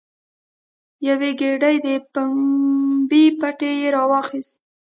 یوه ګېډۍ د پمبې پټی یې راواخیست.